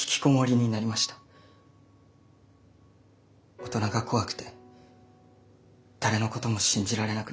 大人が怖くて誰のことも信じられなくなって。